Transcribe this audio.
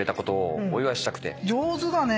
上手だね。